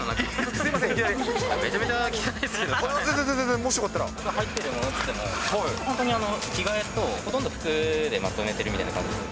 すみません、いきなり。全然、入ってるものっていっても、本当に着替えと、本当、服でまとめてるみたいな感じです。